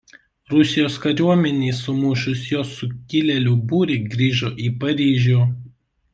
Rusijos kariuomenei sumušus jo sukilėlių būrį grįžo į Paryžių.